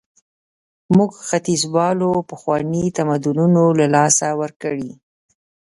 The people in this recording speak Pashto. موږ ختیځوالو پخواني تمدنونه له لاسه ورکړي.